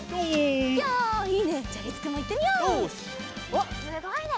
おっすごいね！